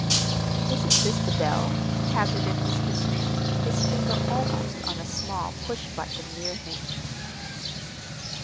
"Isn't this the bell?" hazarded Mr. Smith, his finger almost on a small push button near him.